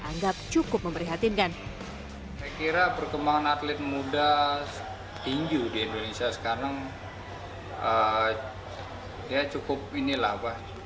anggap cukup memperhatinkan saya kira perkembangan atlet muda tinggi di indonesia sekarang ya cukup inilah